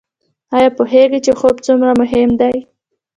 ایا پوهیږئ چې خوب څومره مهم دی؟